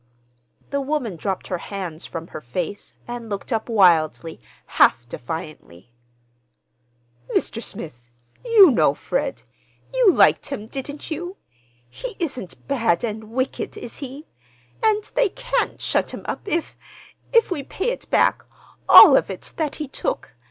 The woman dropped her hands from her face and looked up wildly, half defiantly. "Mr. Smith, you know Fred. You liked him, didn't you? He isn't bad and wicked, is he? And they can't shut him up if—if we pay it back—all of it that he took?